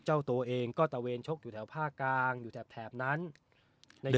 เจ้าตัวเองก็ตะเวนชกอยู่แถวภาคกลางอยู่แถบนั้นใน